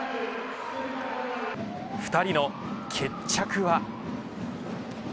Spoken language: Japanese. ２人の決着は。